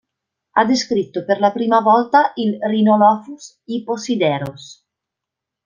Ha descritto per la prima volta il "Rhinolophus hipposideros".